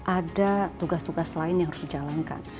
ada tugas tugas lain yang harus dijalankan